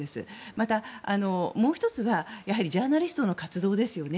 また、もう１つはジャーナリストの活動ですね。